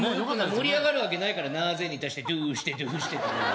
盛り上がるわけないから「なぜ」に対して「どうしたどうした」